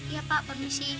iya pak permisi